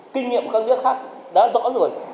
kinh nghiệm các nước khác đã rõ rồi